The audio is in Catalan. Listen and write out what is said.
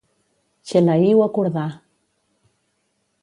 Txelaí ho acordà.